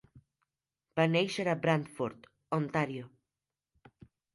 Va néixer a Brantford, Ontario.